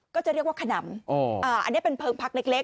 ก็จะเรียกว่าขนำอ๋ออันเนี้ยเป็นเพิงพักเล็กเล็ก